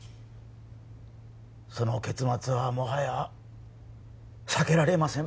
その結末はもはや避けられません